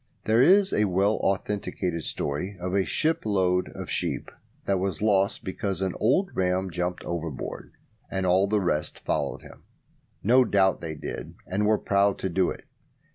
There is a well authenticated story of a ship load of sheep that was lost because an old ram jumped overboard, and all the rest followed him. No doubt they did, and were proud to do it.